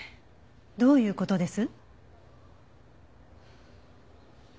どういう事です？